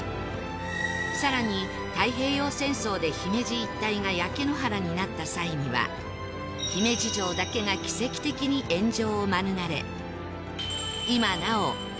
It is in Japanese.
更に太平洋戦争で姫路一帯が焼け野原になった際には姫路城だけが奇跡的に炎上を免れ